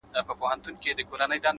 هر منزل د بل سفر پیل وي’